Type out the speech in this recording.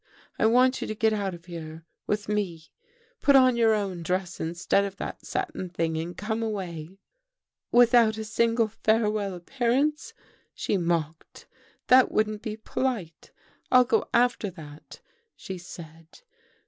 * I want you to get out of here — with me. Put on your own dress instead of that satin thing and come away.' "'Without a single farewell appearance?' she mocked. ' That wouldn't be polite. I'll go after that," she said.